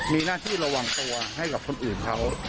มีหน้าที่ระวังตัวให้กับคนอื่นเขา